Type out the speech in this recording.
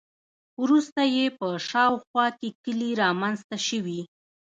وروسته یې په شاوخوا کې کلي رامنځته شوي.